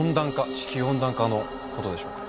地球温暖化のことでしょうか？